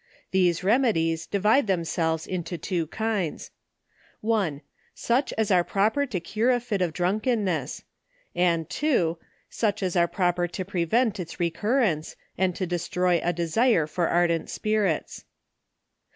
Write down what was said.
These remedies divide themselves into two kinds. I. Such as are proper to cure a fit of drunkenness, and II. Such as are proper to prevent its recurrence, and to destroy a desire for ardent spirits.